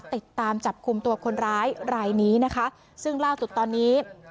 ติดตามจับกลุ่มตัวคนร้ายรายนี้นะคะซึ่งล่าสุดตอนนี้